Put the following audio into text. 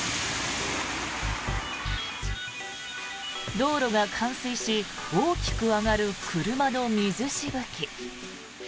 道路が冠水し大きく上がる車の水しぶき。